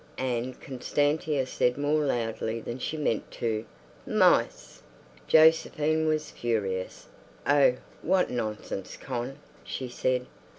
And Constantia said more loudly than she meant to, "Mice." Josephine was furious. "Oh, what nonsense, Con!" she said.